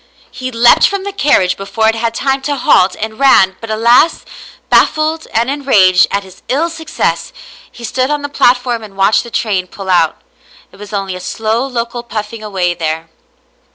He leaped from the carriage before it had time to halt, and ran, but alas ! bajffled and enraged at his ill success, he stood on the platform and watched the train pull out. It was only a slow local puffing away there.